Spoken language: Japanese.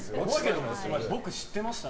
僕、知ってました。